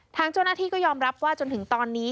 ทางเจ้าหน้าที่ก็ยอมรับว่าจนถึงตอนนี้